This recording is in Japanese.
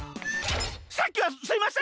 さっきはすいません！